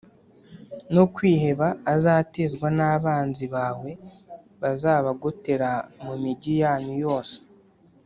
no kwiheba azatezwa n’abanzi bawe bazabagotera mu migi yanyu yose